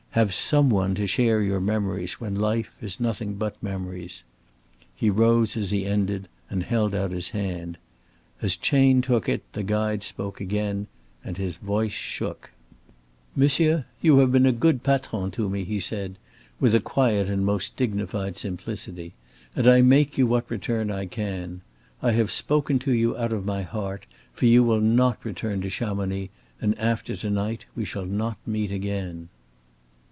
Have some one to share your memories when life is nothing but memories." He rose as he ended, and held out his hand. As Chayne took it, the guide spoke again, and his voice shook: "Monsieur, you have been a good patron to me," he said, with a quiet and most dignified simplicity, "and I make you what return I can. I have spoken to you out of my heart, for you will not return to Chamonix and after to night we shall not meet again."